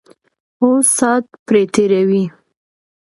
او سات پرې تېروي.